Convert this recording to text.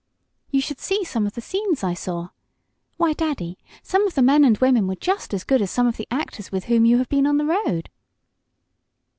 "You should see some of the scenes I saw. Why, Daddy, some of the men and women were just as good as some of the actors with whom you have been on the road."